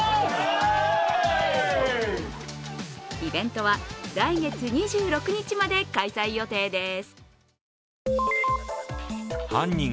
イベントは来月２６日まで開催予定です。